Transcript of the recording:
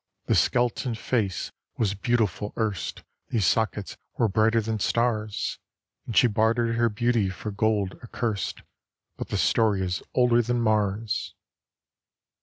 "This skeleton face was beautiful erst; These sockets were brighter than stars; And she bartered her beauty for gold accurst But the story is older than Mars!"